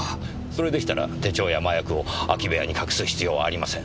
それでしたら手帳や麻薬を空き部屋に隠す必要はありません。